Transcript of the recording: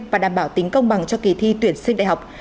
và đảm bảo tính công bằng cho kỳ thi tuyển sinh đại học